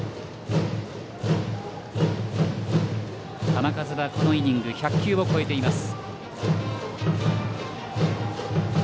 球数は、このイニングで１００球を超えています。